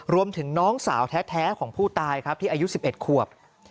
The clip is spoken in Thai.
รวมถึงน้องสาวแท้ของผู้ตายครับที่อายุ๑๑ขวบ